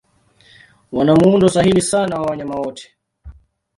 Wana muundo sahili sana wa wanyama wote.